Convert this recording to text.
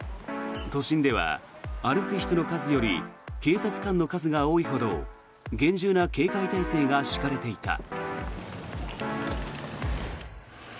都心では、歩く人の数より警察官の数が多いほど厳重な警戒態勢が敷かれていた。